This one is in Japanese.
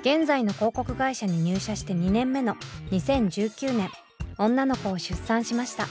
現在の広告会社に入社して２年目の２０１９年女の子を出産しました。